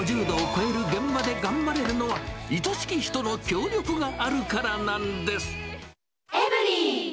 ５０度を超える現場で頑張れるのは、いとしき人の協力があるからなんです。